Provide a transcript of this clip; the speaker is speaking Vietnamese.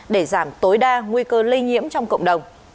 để giảm tối đa nguy cơ lây nhiễm trong cộng đồng